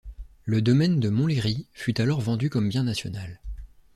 Le domaine de Montlhéry fut alors vendu comme bien national.